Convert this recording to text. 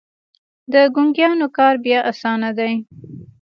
د ګونګيانو کار بيا اسانه دی.